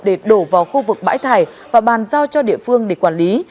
để đổ vào khu vực bãi thải và bàn giao cho địa phương để quản lý